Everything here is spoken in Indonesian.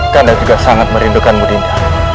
karena juga sangat merindukanmu dinda